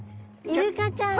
イルカちゃんだ！